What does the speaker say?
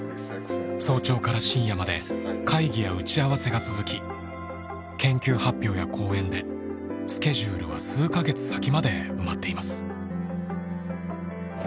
早朝から深夜まで会議や打ち合わせが続き研究発表や講演でスケジュールは数カ月先まで埋まっています。